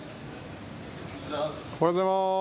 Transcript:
おはようございます。